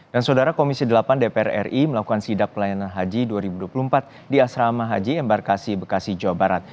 dan saudara komisi delapan dpr ri melakukan sidak pelayanan haji dua ribu dua puluh empat di asrama haji embarkasi bekasi jawa barat